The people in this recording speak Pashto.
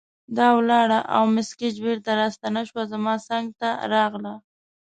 دا ولاړه او مس ګېج بیرته راستنه شوه، زما څنګ ته راغله.